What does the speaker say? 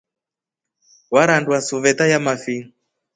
Warandwa suveta yamafi?